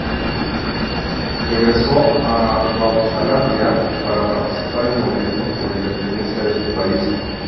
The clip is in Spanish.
Regresó a Bechuanalandia para participar en movimientos por la independencia de su país.